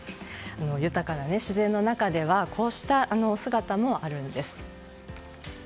豊かな自然の中ではこうした姿もあるんです。